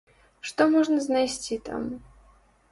Што можна знайсці там?